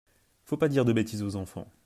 Faut pas dire de bêtises aux enfants !